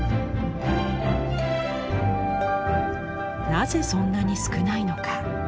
なぜそんなに少ないのか。